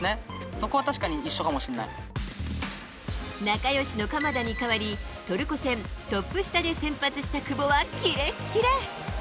そこは確かに一仲よしの鎌田に代わり、トルコ戦トップ下で先発した久保は、キレッキレ。